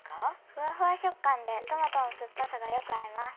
ふわふわ食感でトマトの酸っぱさがよく合います。